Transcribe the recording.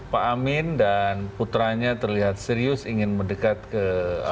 pak amin dan putranya terlihat serius ingin mendekat ke